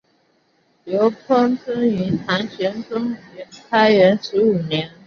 刘怦生于唐玄宗开元十五年。